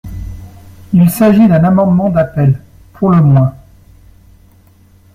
Il s’agit d’un amendement d’appel, pour le moins.